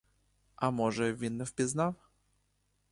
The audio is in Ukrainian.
А може, він не впізнав?